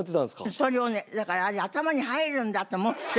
それをねだからあれ頭に入るんだと思ってその時。